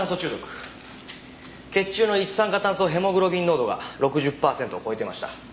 血中の一酸化炭素ヘモグロビン濃度が６０パーセントを超えていました。